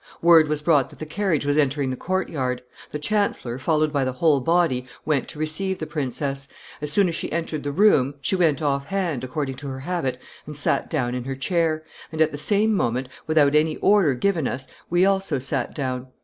Word was brought that the carriage was entering the court yard. The chancellor, followed by the whole body, went to receive the princess. ... As soon as she entered the room, she went off hand, according to her habit, and sat down in her chair; and, at the same moment, without any order given us, we also sat down.